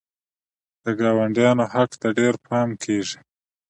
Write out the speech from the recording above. د ګاونډیانو حق ته ډېر پام کیږي.